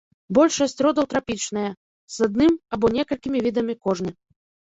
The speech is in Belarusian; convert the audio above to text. Большасць родаў трапічныя, з адным або некалькімі відамі кожны.